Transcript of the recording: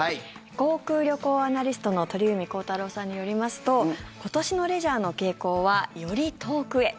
航空・旅行アナリストの鳥海高太朗さんによりますと今年のレジャーの傾向はより遠くへ。